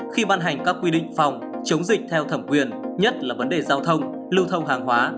khi ban hành các quy định phòng chống dịch theo thẩm quyền nhất là vấn đề giao thông lưu thông hàng hóa